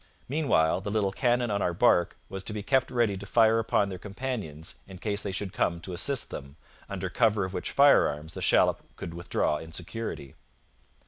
Meanwhile, the little cannon on our barque was to be kept ready to fire upon their companions in case they should come to assist them, under cover of which firearms the shallop could withdraw in security.